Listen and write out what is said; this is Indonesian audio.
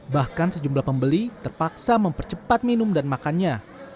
bahkan sejumlah pembeli terpaksa mempercepat minum dan makannya